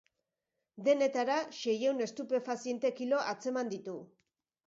Denetara seiehun estupefaziente kilo atzeman ditu.